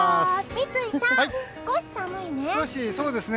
三井さん、少し寒いね。